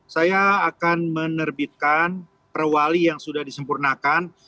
saya akan menerbitkan perwali yang sudah disempurnakan